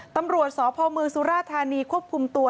ตำรวจสพเมืองสุราธานีควบคุมตัว